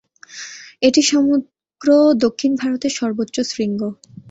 এটি সমগ্র দক্ষিণ ভারতের সর্বোচ্চ শৃঙ্গ।